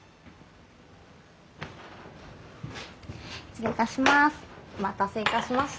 失礼いたします。